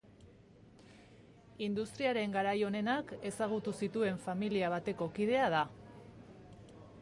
Industriaren garai onenak ezagutu zituen familia bateko kidea da.